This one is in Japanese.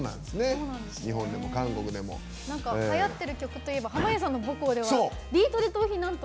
はやってる曲といえば濱家さんの母校では「ビートＤＥトーヒ」がなんと。